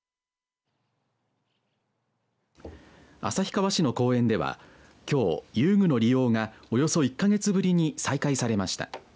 旭川市の公園ではきょう、遊具の利用がおよそ１か月ぶりに再開されました。